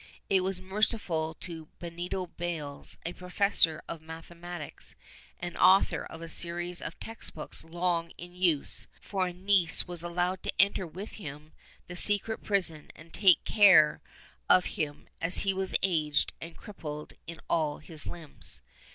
It was merciful to Benito Bails, a professor of mathe matics and author of a series of text books long in use, for a neice was allowed to enter with him the secret prison and take care of him, as he was aged and crippled in all his limbs.